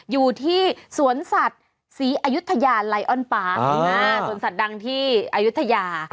อยู่ที่สวนสัตว์ศรีอายุทยาไลออนปาร์สวนสัตว์ดังที่อายุทยา